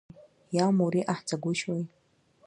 Иамур иҟаҳҵагәышьои.